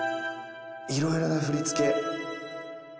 いろいろな振り付け。